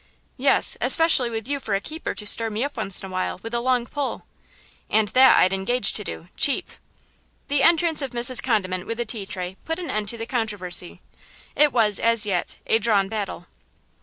"Yes, especially with you for a keeper to stir me up once in a while with a long pole." "And that I'd engage to do–cheap." The entrance of Mrs. Condiment with the tea tray put an end to the controversy. It was, as yet, a drawn battle.